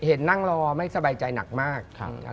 เห็นนั่งรอไม่สบายใจหนักมาก